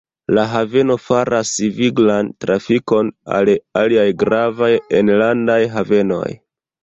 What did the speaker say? La haveno faras viglan trafikon al aliaj gravaj enlandaj havenoj.